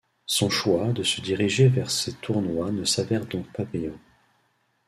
Son choix de se diriger vers ces tournois ne s'avère donc pas payant.